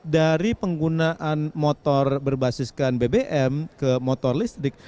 dari penggunaan motor berbasiskan bbm ke motor listrik